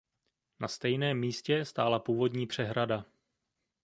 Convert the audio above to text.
Na stejném místě stála původní přehrada.